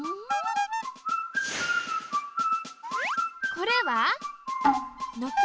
これは軒。